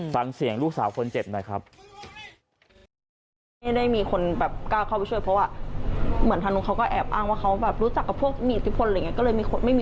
ฟังเสียงลูกสาวคนเจ็บหน่อยครับ